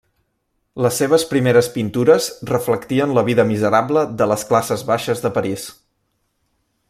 Les seves primeres pintures reflectien la vida miserable de les classes baixes de París.